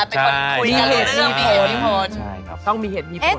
เป็นคนคุยกับเรามีเหตุมีผลใช่ครับต้องมีเหตุมีผล